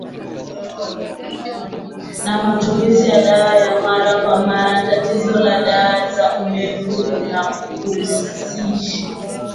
na matumizi ya dawa ya mara kwa mara Tatizo la dawa za kulevya linahusisha